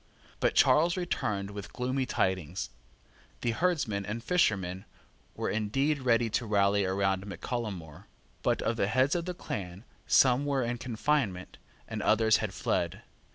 But Charles returned with gloomy tidings. The herdsmen and fishermen were indeed ready to rally round Mac Callum More; but, of the heads of the clan, some were in confinement, and others had fled.